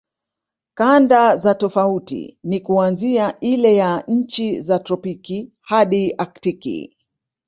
Kanda za tofauti ni kuanzia ile ya nchi za tropiki hadi aktiki